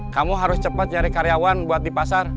kamu harus cepat nyari karyawan buat di pasar